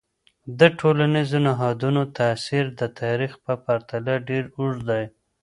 د ټولنیزو نهادونو تاثیر د تاریخ په پرتله ډیر اوږد دی.